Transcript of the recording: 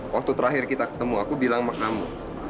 waktu terakhir kita ketemu aku bilang sama kamu